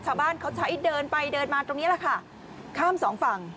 ชาวบ้านเขาใช้เดินไปเดินมาตรงนี้แหละค่ะข้ามสองฝั่ง